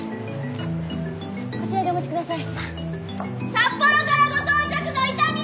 あっこちらでお待ちください！